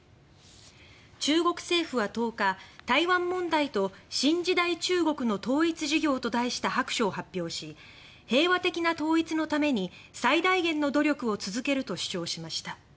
中国政府は１０日「台湾問題と新時代中国の統一事業」と題した白書を発表し平和的な統一のために最大限の努力を続けると主張しました。